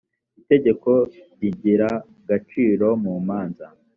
itegeko rigiragaciro mumanza.